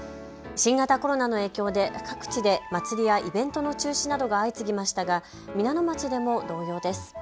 新型コロナの影響で各地で祭りやイベントの中止などが相次ぎましたが皆野町でも同様です。